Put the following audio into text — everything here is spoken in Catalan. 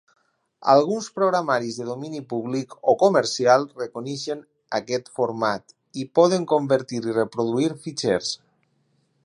Alguns programaris de domini públic o comercial reconeixen aquest format, i poden convertir i reproduir fitxers.